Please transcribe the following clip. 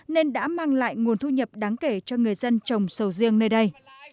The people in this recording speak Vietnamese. nên đã mang lại nguồn thu nhập đáng kể cho người dân trồng sầu riêng nơi đây